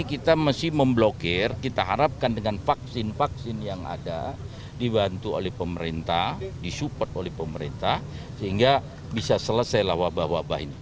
kita mesti memblokir kita harapkan dengan vaksin vaksin yang ada dibantu oleh pemerintah disupport oleh pemerintah sehingga bisa selesailah wabah wabah ini